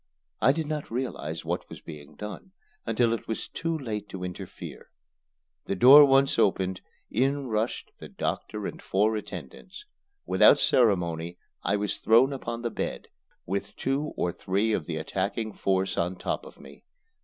I did not realize what was being done until it was too late to interfere. The door once open, in rushed the doctor and four attendants. Without ceremony I was thrown upon the bed, with two or three of the attacking force on top of me.